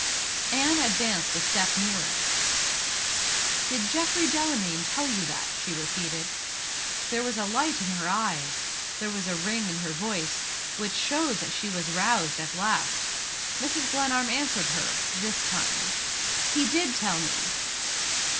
Anne advanced a step nearer. "Did Geoffrey Delamayn tell you that?" she repeated. There was a light in her eyes, there was a ring in her voice, which showed that she was roused at last. Mrs. Glenarm answered her, this time. "He did tell me."